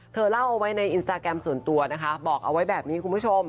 เล่าเอาไว้ในอินสตาแกรมส่วนตัวนะคะบอกเอาไว้แบบนี้คุณผู้ชม